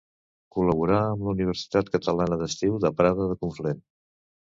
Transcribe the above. Col·laborà amb la Universitat Catalana d'Estiu de Prada de Conflent.